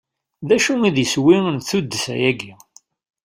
D acu i d iswi n tuddsa-agi?